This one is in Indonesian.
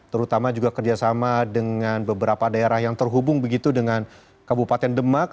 terutama juga kerjasama dengan beberapa daerah yang terhubung begitu dengan kabupaten demak